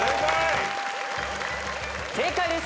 正解です。